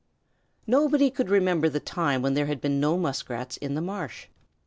Nobody could remember the time when there had been no Muskrats in the marsh.